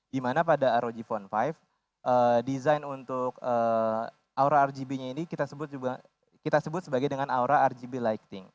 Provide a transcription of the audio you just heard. dimana pada rog phone lima desain untuk aura rgb nya ini kita sebut sebagai dengan aura rgb lighting